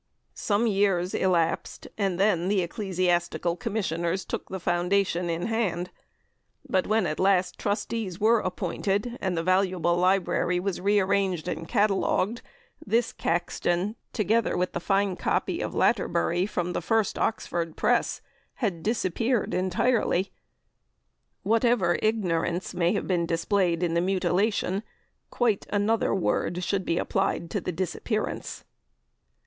Some years elapsed, and then the Ecclesiastical Commissioners took the foundation in hand, but when at last Trustees were appointed, and the valuable library was re arranged and catalogued, this "Caxton," together with the fine copy of "Latterbury" from the first Oxford Press, had disappeared entirely. Whatever ignorance may have been displayed in the mutilation, quite another word should be applied to the disappearance.